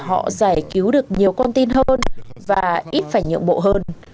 thỏa thuận giải cứu được nhiều con tin hơn và ít phải nhượng bộ hơn